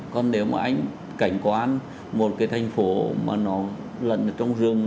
còn nếu mà anh cảnh quan một cái thành phố mà nó lận ở trong rừng